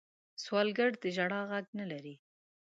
سوالګر د ژړا غږ نه لري